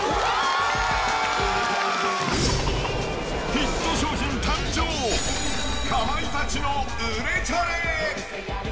ヒット商品誕生、かまいたちの売れチャレ。